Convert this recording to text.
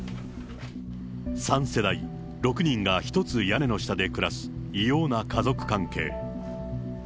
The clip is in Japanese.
３世代６人が１つ屋根の下で暮らす異様な家族関係。